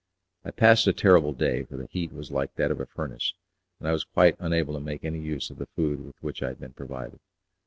I passed a terrible day, for the heat was like that of a furnace, and I was quite unable to make any use of the food with which I had been provided.